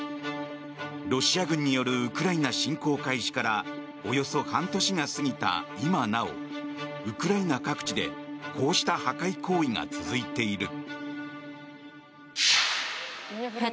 ロシア軍によるウクライナ侵攻開始からおよそ半年が過ぎた今なおウクライナ各地でこうした破壊行為が続いている。